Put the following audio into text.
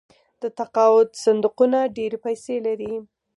د تقاعد صندوقونه ډیرې پیسې لري.